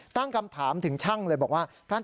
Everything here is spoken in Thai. ตั้งคำถามถึงช่างเลยบอกว่า